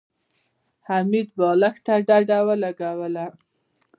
حميد بالښت ته ډډه ولګوله.